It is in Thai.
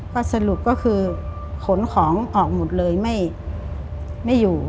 ก็สรุปก็คือขนของออกหมดเลยไม่อยู่